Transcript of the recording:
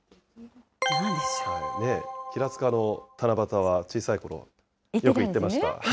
平塚の七夕は小さいころよく行ってました。